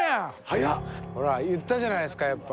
ほら言ったじゃないですかやっぱ。